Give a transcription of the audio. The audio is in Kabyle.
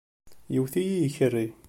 Yewwet-iyi yikerri.